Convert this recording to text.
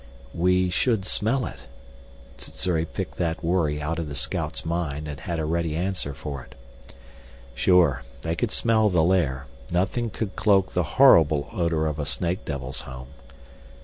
"We should smell it." Sssuri picked that worry out of the scout's mind and had a ready answer for it. Sure they should smell the lair; nothing could cloak the horrible odor of a snake devil's home.